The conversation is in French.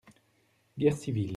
- Guerre civile.